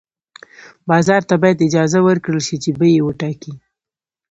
بازار ته باید اجازه ورکړل شي چې بیې وټاکي.